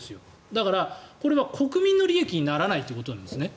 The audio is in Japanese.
だから、これは国民の利益にならないということなんですね。